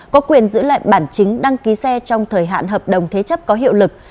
có quyền giữ lại bản chính đăng ký xe trong thời hạn hợp đồng thế chấp có hiệu lực